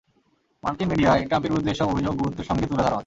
মার্কিন মিডিয়ায় ট্রাম্পের বিরুদ্ধে এসব অভিযোগ গুরুত্বের সঙ্গে তুলে ধরা হয়।